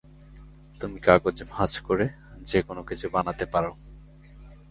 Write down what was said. তুমি কাগজ ভাঁজ করে যেকোনো কিছু বানাতে পারো।